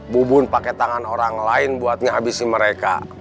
bubun pakai tangan orang lain buat ngabisi mereka